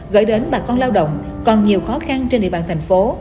gửi đến bà con lao động còn nhiều khó khăn trên địa bàn thành phố